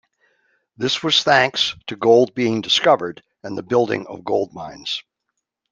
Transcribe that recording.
This was thanks to gold being discovered and the building of gold mines.